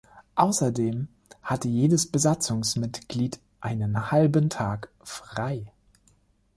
Außerdem hatte jedes Besatzungsmitglied einen halben Tag frei.